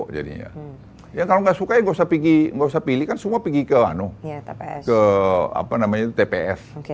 kalau nggak sukanya nggak usah pilih kan semua pergi ke tps